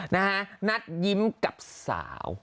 นะฮะนัดยิ้มกับสาว